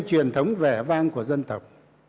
truyền thống vẻ vang của dân tộc